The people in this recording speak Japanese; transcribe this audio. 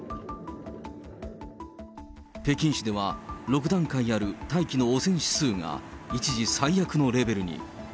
北京市では６段階ある大気の汚染指数が一時最悪のレベルに。